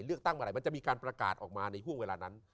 เลือกตั้งเมื่อไหร่มันจะมีการประกาศออกมาในห่วงเวลานั้น